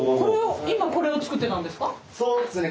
今これを作ってたんですか？